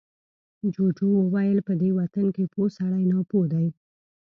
جوجو وويل، په دې وطن کې پوه سړی ناپوه دی.